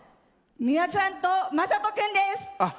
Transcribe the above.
美和ちゃんとまさとくんです。